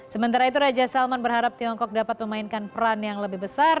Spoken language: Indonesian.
sementara itu raja salman berharap tiongkok dapat memainkan peran yang lebih besar